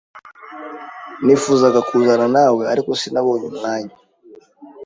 Nifuzaga kuzana nawe, ariko sinabonye umwanya.